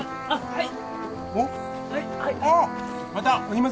はい！